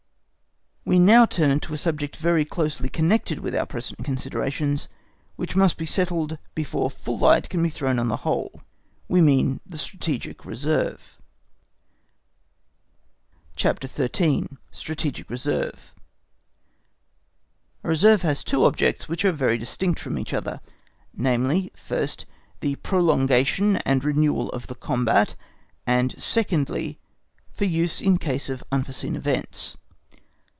We now turn to a subject very closely connected with our present considerations, which must be settled before full light can be thrown on the whole, we mean the strategic reserve. CHAPTER XIII. Strategic Reserve A reserve has two objects which are very distinct from each other, namely, first, the prolongation and renewal of the combat, and secondly, for use in case of unforeseen events.